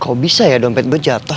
kok bisa ya dompet gue jatoh